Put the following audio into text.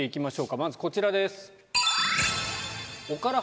まずこちらです。